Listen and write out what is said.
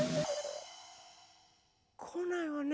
こないわね。